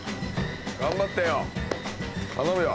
頑張ってよ頼むよ。